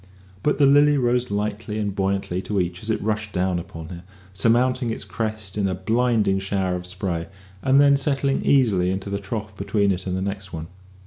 But the Lily rose lightly and buoyantly to each as it rushed down upon her, surmounting its crest in a blinding shower of spray, and then settling easily into the trough between it and the next one.